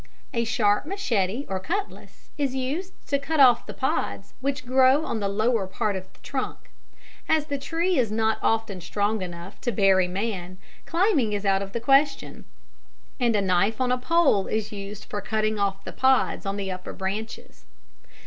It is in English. A sharp machete or cutlass is used to cut off the pods which grow on the lower part of the trunk. As the tree is not often strong enough to bear a man, climbing is out of the question, and a knife on a pole is used for cutting off the pods on the upper branches.